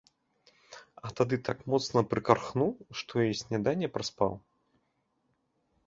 А тады так моцна прыкархнуў, што й сняданне праспаў.